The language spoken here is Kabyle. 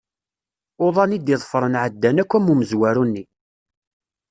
Uḍan i d-iḍefren ɛeddan akk am umezwaru-nni.